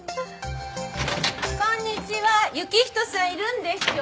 こんにちは行人さんいるんでしょ？